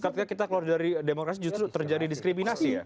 ketika kita keluar dari demokrasi justru terjadi diskriminasi